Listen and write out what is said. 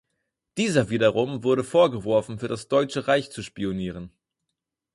Dieser wiederum wurde vorgeworfen für das Deutsche Reich zu spionieren.